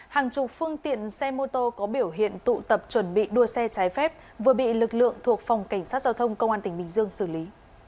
hàng chục phương tiện xe mô tô có biểu hiện tụ tập chuẩn bị đua xe trái phép vừa bị lực lượng thuộc phòng cảnh sát giao thông công an tỉnh bình dương xử lý